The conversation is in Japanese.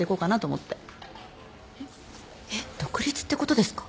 えっ独立ってことですか？